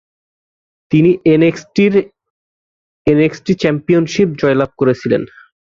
তিনি এনএক্সটি-এ NXT championship জয়লাভ করেছিলেন।